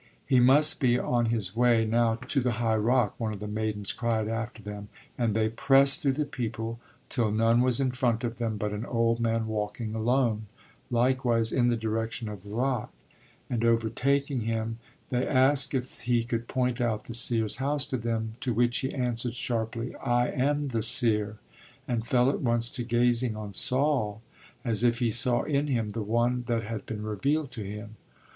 He must be on his way now to the high rock, one of the maidens cried after them, and they pressed through the people till none was in front of them but an old man walking alone, likewise in the direction of the rock; and overtaking him they asked if he could point out the seer's house to them, to which he answered sharply: I am the seer, and fell at once to gazing on Saul as if he saw in him the one that had been revealed to him.